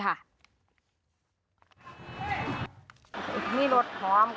ตาลที่แห่ง